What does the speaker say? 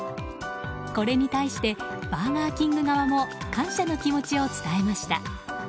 これに対してバーガーキング側も感謝の気持ちを伝えました。